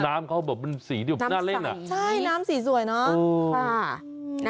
น้ำเขาบอกมันสีดีน่าเล่นอ่ะใช่น้ำสีสวยเนอะเออค่ะ